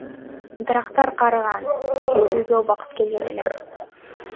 Дарактар карыган, кесүүгө убакыт келген эле.